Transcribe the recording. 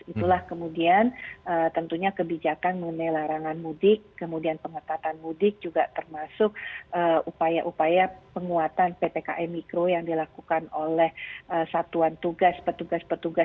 itulah kemudian tentunya kebijakan mengenai larangan mudik kemudian pengetatan mudik juga termasuk upaya upaya penguatan ppkm mikro yang dilakukan oleh satuan tugas petugas petugas